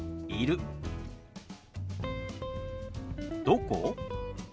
「どこ？」。